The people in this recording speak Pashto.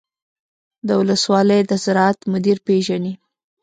د ولسوالۍ د زراعت مدیر پیژنئ؟